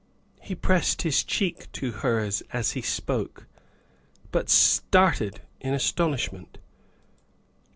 He pressed his cheek to hers as he spoke, but started in astonishment.